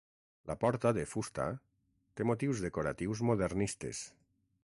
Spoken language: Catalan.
La porta, de fusta, té motius decoratius modernistes.